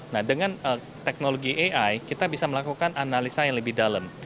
nah dengan teknologi ai kita bisa melakukan analisa yang lebih dalam